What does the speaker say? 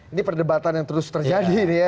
ini perdebatan yang terus terjadi ini ya